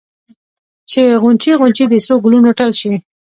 چې غونچې غونچې د سرو ګلونو ټل شي